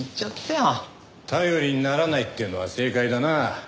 頼りにならないっていうのは正解だな。